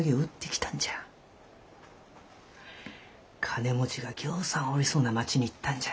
金持ちがぎょうさんおりそうな町に行ったんじゃ。